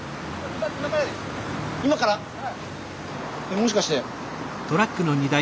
もしかして。